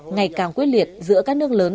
ngày càng quyết liệt giữa các nước lớn